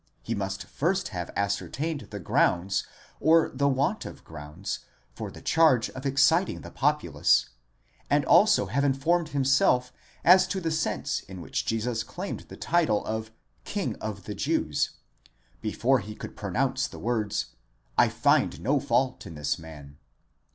He must first have ascertained the grounds or the want of grounds for the charge of exciting the populace, and also have informed himself as to the sense in which Jesus claimed the title of 4ing of the Jews, before he could pronounce the words: J Jind no fault in this man.